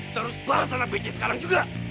kita harus bales anak bece sekarang juga